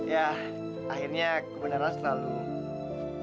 ya akhirnya kebenaran selalu